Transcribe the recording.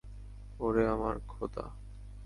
ওরে আমার খোদা!